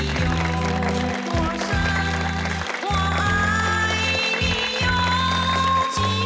แค่นิดกว่ามีไม่มีคน